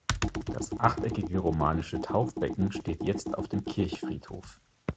Das achteckige romanische Taufbecken steht jetzt auf dem Kirchfriedhof.